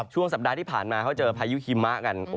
ช่วงสัปดาห์ที่ผ่านมาเขาเจอพายุหิมะกัน